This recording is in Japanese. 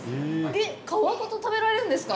えっ、皮ごと食べられるんですか？